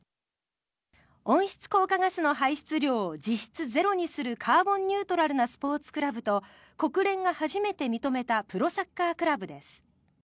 温室効果ガスの排出量を実質ゼロにするカーボンニュートラルなスポーツクラブと国連が初めて認めたプロサッカークラブです。